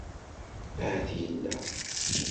Ahat yella.